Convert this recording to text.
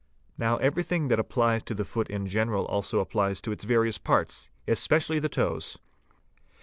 Now everything that applies to the foot in general also applies to it | various parts, especially to the toes.